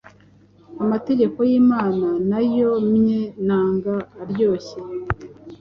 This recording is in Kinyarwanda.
Amategeko yImana naomye, nanga aryohye,